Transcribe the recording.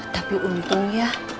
tapi untung ya